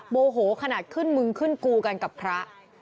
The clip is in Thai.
โมโหขนาดขึ้นมึงขึ้นกูกันกับพระ